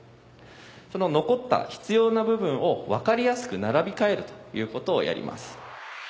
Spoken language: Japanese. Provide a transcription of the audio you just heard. その残った必要な部分を分かりやすく並び替えるということをやります。